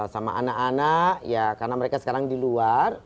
sama anak anak ya karena mereka sekarang di luar